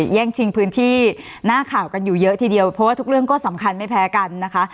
แย่งชิงพื้นที่หน้าข่าวกันอยู่เยอะทีเดียวเพราะว่าทุกเรื่องก็สำคัญไม่แพ้กันนะคะ